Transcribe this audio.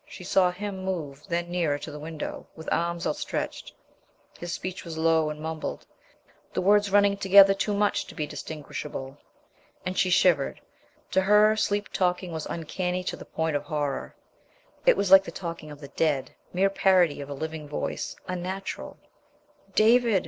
She saw him move then nearer to the window, with arms outstretched. His speech was low and mumbled, the words running together too much to be distinguishable. And she shivered. To her, sleep talking was uncanny to the point of horror; it was like the talking of the dead, mere parody of a living voice, unnatural. "David!"